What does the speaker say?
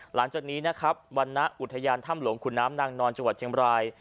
หลังจากนี้นะครับวรรณอุทยานถ้ำหลวงขุนน้ำนางนอนจังหวัดเชียงบราย